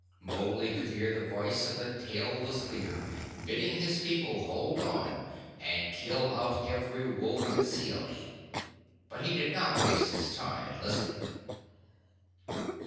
Mowgli could hear the voice of the tailless leader bidding his people hold on and kill out every wolf in Seeonee. But he did not waste his time in listening.